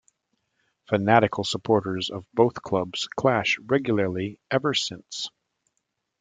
Fanatical supporters of both clubs clash regularly ever since.